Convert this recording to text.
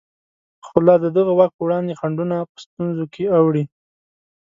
خو لا د دغه واک په وړاندې خنډونه په ستونزو کې اوړي.